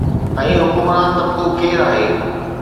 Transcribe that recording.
۽ حڪمران طبقو ڪير آهي.